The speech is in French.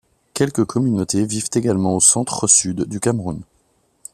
Quelques communautés vivent également au centre-sud du Cameroun.